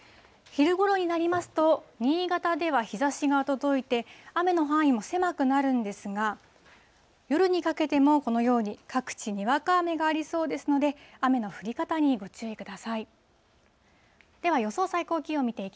昼ごろになりますと、新潟では日ざしが届いて、雨の範囲は狭くなるんですが、夜にかけても、このように各地、にわか雨がありそうですので、雨の降り方にご注意ください。